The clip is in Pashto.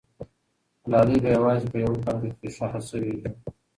ملالۍ به یوازې په یو قبر کې ښخ سوې وي.